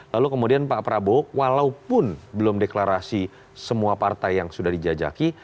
lalu kemudian pak prabowo walaupun belum deklarasi semua partai yang sudah dijajaki